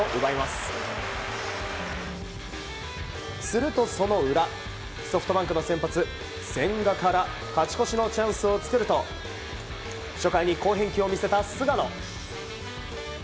するとその裏ソフトバンクの先発、千賀から勝ち越しのチャンスを作ると初回に好返球を見せた菅野。